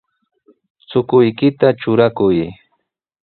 Chukuykita trurakuy.